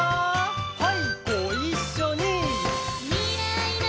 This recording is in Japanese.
はいごいっしょに！